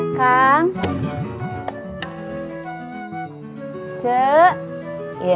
akang mau makan sekarang